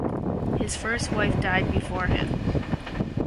His first wife died before him.